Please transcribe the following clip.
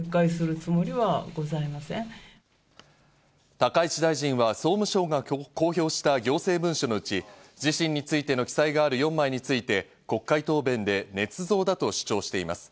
高市大臣は総務省が公表した行政文書のうち自身についての記載がある４枚について、国会答弁で「ねつ造」だと主張しています。